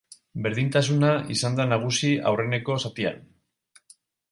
Berdintasuna izan da nagusi aurreneko zatian.